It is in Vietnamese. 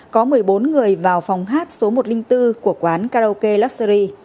có một mươi bốn người vào phòng hát số một trăm linh bốn của quán karaoke luxury